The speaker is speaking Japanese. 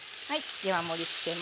では盛りつけます。